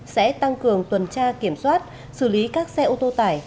sẽ tăng cường tuần tra kiểm soát xử lý các xe ô tô tải